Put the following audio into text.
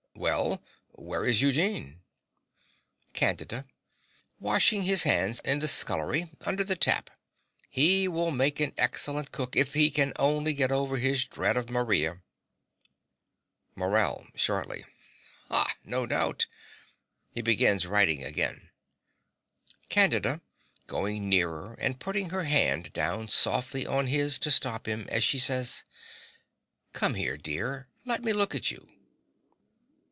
Well? Where is Eugene? CANDIDA. Washing his hands in the scullery under the tap. He will make an excellent cook if he can only get over his dread of Maria. MORELL (shortly). Ha! No doubt. (He begins writing again.) CANDIDA (going nearer, and putting her hand down softly on his to stop him, as she says). Come here, dear. Let me look at you.